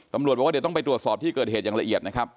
ตำรวจบอกว่าเดี๋ยวต้องไปตรวจสอบที่เกิดเหตุอย่างละเอียดนะครับ